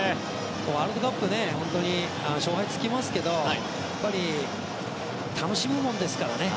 ワールドカップ、本当に勝敗がつきますけどやっぱり楽しむものですからね。